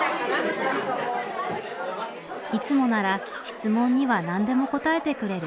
いつもなら質問には何でも答えてくれる新太。